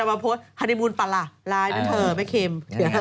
แล้วมาโพสต์ฮารีมูลปลาร้าร้ายนั้นเธอไม่เค็ม